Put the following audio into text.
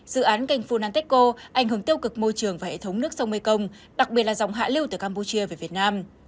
dự án kênh funantechco ảnh hưởng tiêu cực môi trường và hệ thống nước sông mekong đặc biệt là dòng hạ lưu từ campuchia về việt nam